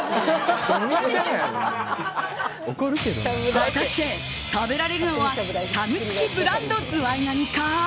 果たして食べられるのはタグ付きブランドズワイガニか。